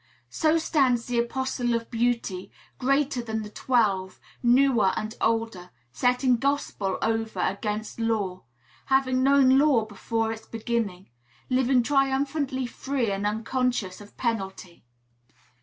So stands the Apostle of Beauty, greater than the twelve, newer and older; setting Gospel over against law, having known law before its beginning; living triumphantly free and unconscious of penalty.